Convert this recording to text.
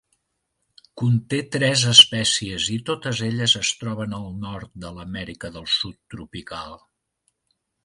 Conté tres espècies i totes elles es troben al nord de l'Amèrica del Sud tropical.